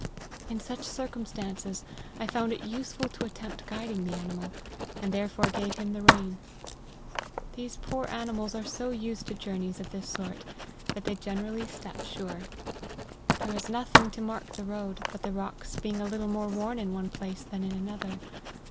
In such circumstances, I found it useless to attempt guiding the animal, and therefore gave him the rein. These poor animals are so used to jpurneys of this sort, that they generally step sure. There was nothing to mark the road, but the rocks being a little more worn in one place than in another.